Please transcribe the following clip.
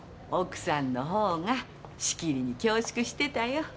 奥さんの方がしきりに恐縮してたよ。